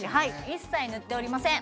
一切塗っておりません！